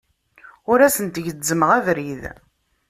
Ur asent-gezzmeɣ abrid.